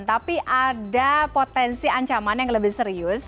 tapi ada potensi ancaman yang lebih serius